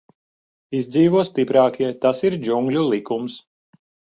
Izdzīvo stiprākie, tas ir džungļu likums.